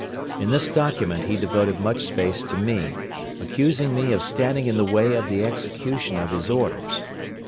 In this document he devoted much space to me, accusing me of standing in the way of the execution of his orders.